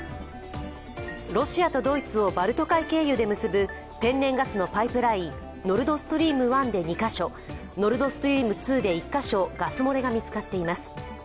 ロシアとドイツをバルト海経由で結ぶ天然ガスのパイプラインノルドストリーム１で１か所、ノルドストリーム２で１か所、ガス漏れが見つかっています。